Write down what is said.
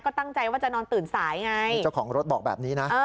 ก็ตั้งใจว่าจะนอนตื่นสายไงนี่เจ้าของรถบอกแบบนี้นะ